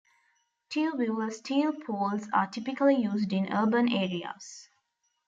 Tubular steel poles are typically used in urban areas.